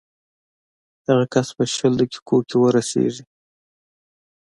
هغه کس به شل دقیقو کې ورسېږي.